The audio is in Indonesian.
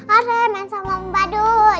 oren main sama om badut